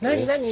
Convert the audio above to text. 何？